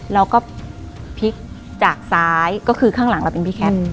เราก็พลิกจากซ้ายก็คือข้างหลังเราเป็นพี่แคท